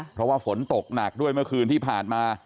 เพราะว่าฝนตกหนักด้วยเมื่อคืนที่ผ่านมา